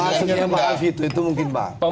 maksudnya pak alvin itu mungkin pak